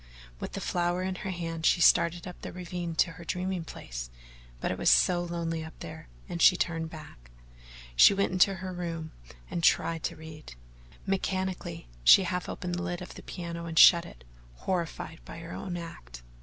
With the flower in her hand, she started up the ravine to her dreaming place, but it was so lonely up there and she turned back. She went into her room and tried to read. Mechanically, she half opened the lid of the piano and shut it, horrified by her own act.